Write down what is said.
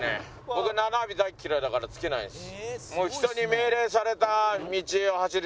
僕ナビ大っ嫌いだから付けないです。